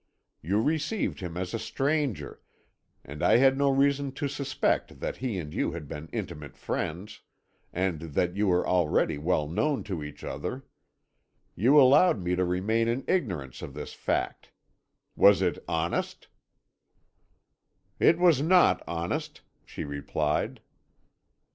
You received him as a stranger, and I had no reason to suspect that he and you had been intimate friends, and that you were already well known to each other. You allowed me to remain in ignorance of this fact. Was it honest?' "'It was not honest,' she replied.